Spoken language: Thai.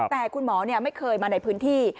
แต่คุณหมอไม่เคยมาในพื้นที่